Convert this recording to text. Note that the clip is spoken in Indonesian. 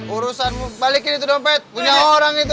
urusan balikin itu dompet punya orang itu